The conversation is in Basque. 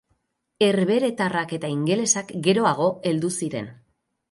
Herbeheretarrak eta ingelesak geroago heldu ziren.